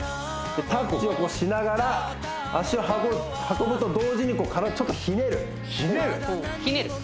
タッチをしながら足を運ぶと同時に体ちょっとひねるひねる？